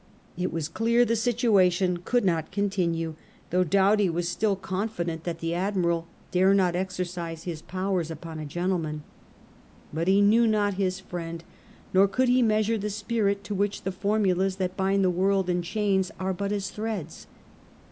It was clear the situation could not continue, though Doughty was still confident that the Admiral dare not exercise his powers upon a gentleman. But he knew not his friend, nor could he measure the spirit to which the formulas that bind the world in chains are but as threads.